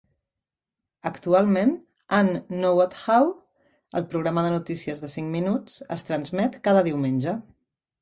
Actualment, An Nowodhow, el programa de notícies de cinc minuts, es transmet cada diumenge.